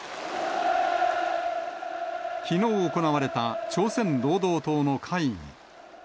きのう行われた朝鮮労働党の会議。